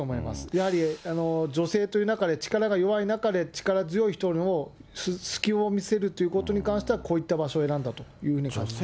やはり女性という中で、力が弱い中で力強い人の隙を見せるということに関しては、こういった場所を選んだというふうに感じますね。